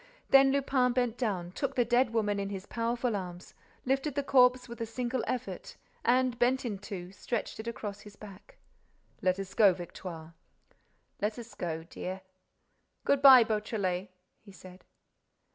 Then Lupin bent down, took the dead woman in his powerful arms, lifted the corpse with a single effort and, bent in two, stretched it across his back: "Let us go, Victoire." "Let us go, dear." "Good bye, Beautrelet," he said.